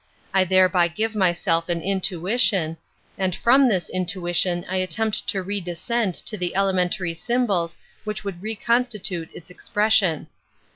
I thereby give myself an intuition, and from this intuition I attempt to redescend to the elementary symbols which would reconstitute its ex pression.